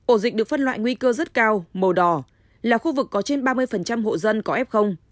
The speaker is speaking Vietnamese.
ổ dịch được phân loại nguy cơ rất cao màu đỏ là khu vực có trên ba mươi hộ dân có f